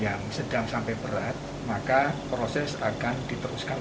untuk jemaah yang positif covid sembilan belas